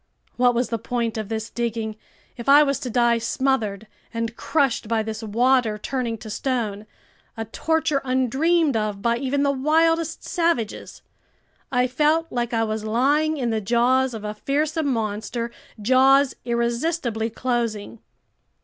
What was the point of this digging if I was to die smothered and crushed by this water turning to stone, a torture undreamed of by even the wildest savages! I felt like I was lying in the jaws of a fearsome monster, jaws irresistibly closing.